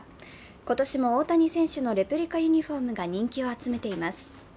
今年も大谷選手のレプリカユニフォームが人気を集めています。